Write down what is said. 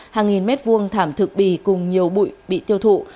hàng nghìn mét vuông thảm thực bì cùng nhiều bụi bị tiêu thụ